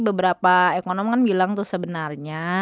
beberapa ekonom kan bilang tuh sebenarnya